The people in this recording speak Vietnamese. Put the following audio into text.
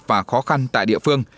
và khó khăn tại địa phương